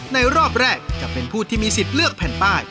รอบแรกจะเป็นผู้ที่มีสิทธิ์เลือกแผ่นป้าย